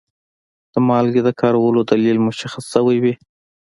د مالګې د کارولو دلیل مشخص شوی وي.